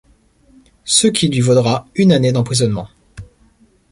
Ce qui lui vaudra une année d'emprisonnement.